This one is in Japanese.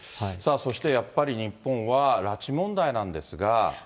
そして、やっぱり日本は拉致問題なんですが。